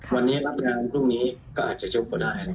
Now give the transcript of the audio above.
วันนี้รับงานพรุ่งนี้ก็อาจจะยกก็ได้